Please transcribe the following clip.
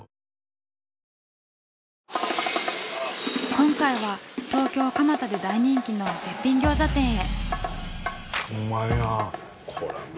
今回は東京蒲田で大人気の絶品餃子店へ。